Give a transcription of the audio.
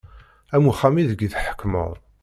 Am uxxam ideg i tḥekmeḍ.